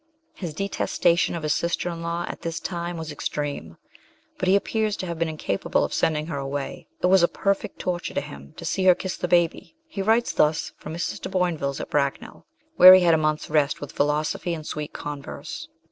His detestation of his sister in law at this time was extreme, but he appears to have been incapable of sending her away. It was a perfect torture to him to see her kiss his baby. He writes thus from Mrs. de Boinville's at Bracknell, where he had a month's rest with philosophy and sweet converse.